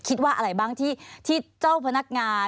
คิดว่าอะไรบ้างที่เจ้าพนักงาน